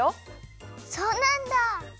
そうなんだ。